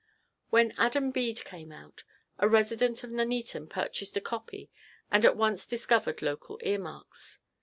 When "Adam Bede" came out, a resident of Nuneaton purchased a copy and at once discovered local earmarks.